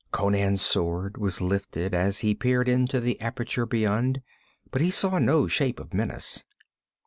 Conan's sword was lifted as he peered into the aperture beyond, but he saw no shape of menace.